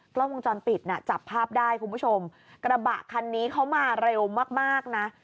กล้องวงจรปิดน่ะจับภาพได้คุณผู้ชมกระบะคันนี้เขามาเร็วมากมากนะ